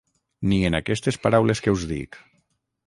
Ni en aquestes paraules que us dic.